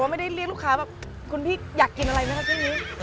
ไม่ได้เรียกลูกค้าแบบคุณพี่อยากกินอะไรไหมคะช่วงนี้